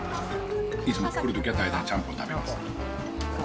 いつも来るときは大体ちゃんぽん食べます。